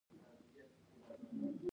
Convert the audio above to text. په لوڼو باندي شرعي تعلیم کول د آخرت توښه ده